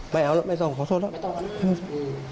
ไม่เอาแล้วไม่ต้องขอโทษแล้ว